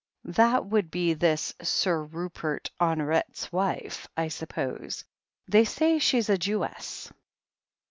That would be this Sir Rupert Honoret's wife, I suppose. They say she's a Jewess."